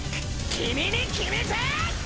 君に決めた！